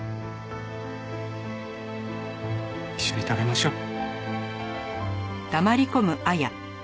一緒に食べましょう。